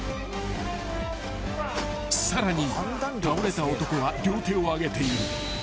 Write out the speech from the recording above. ［さらに倒れた男は両手を上げている］